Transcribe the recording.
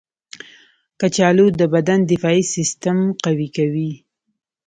کچالو د بدن دفاعي سیستم قوي کوي.